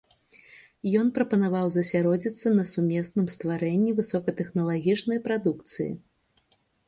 Ён прапанаваў засяродзіцца на сумесным стварэнні высокатэхналагічнай прадукцыі.